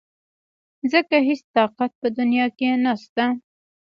ځکه هېڅ طاقت په دنيا کې نشته .